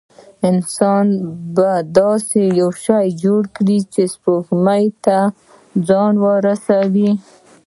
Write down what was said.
انسان به داسې یو شی جوړ کړي چې سپوږمۍ ته ځان ورسوي.